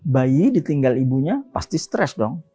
bayi ditinggal ibunya pasti stres dong